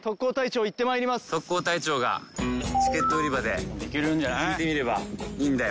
特攻隊長がチケット売り場で聞いてみればいいんだよ。